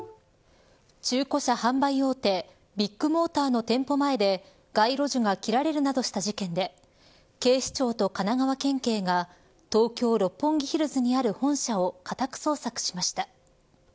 中古車販売大手ビッグモーターの店舗前で街路樹が切られるなどした事件で警視庁と神奈川県警が東京・六本木ヒルズにある本社を家宅捜索しました。